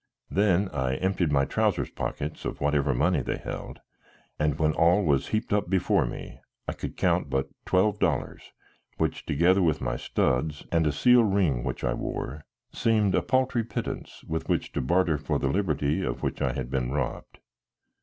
Then I emptied my trousers pockets of whatever money they held, and when all was heaped up before me, I could count but twelve dollars, which, together with my studs and a seal ring which I wore, seemed a paltry pittance with which to barter for the liberty of which I had been robbed.